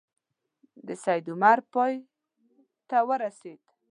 د سید عمر پای ته ورسېد.